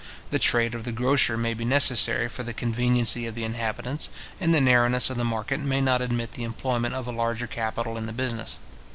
The trade of the grocer may be necessary for the conveniency of the inhabitants, and the narrowness of the market may not admit the employment of a larger capital in the business.